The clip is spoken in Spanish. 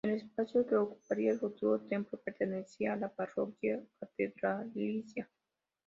El espacio que ocuparía el futuro templo pertenecía a la Parroquia catedralicia.